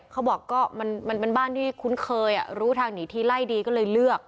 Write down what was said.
เขาบอกก็มันเป็นบ้านที่คุ้นเคยรู้ทางหนีทีไล่ดีก็เลยเลือก